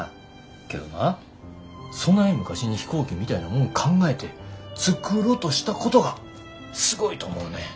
けどなそない昔に飛行機みたいなもん考えて作ろとしたことがすごいと思うねん。